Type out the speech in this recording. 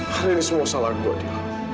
hari ini semua salah gue adil